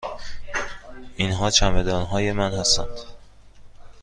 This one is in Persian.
اینها چمدان های من هستند.